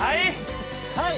はい！